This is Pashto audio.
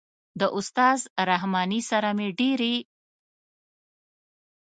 د استاد رحماني سره مې خبرې شروع کړلې.